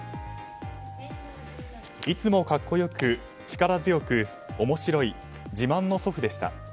いつも格好よく力強く面白い自慢の祖父でした。